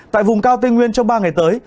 tại vùng cao tây nguyên trong ba ngày tới